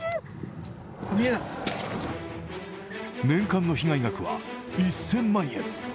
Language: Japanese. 年間の被害額は１０００万円。